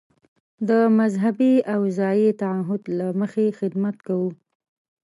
د مذهبي او ځايي تعهد له مخې خدمت کوو.